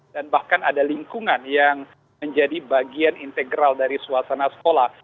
dan bahkan ada lingkungan yang menjadi bagian integral dari suasana sekolah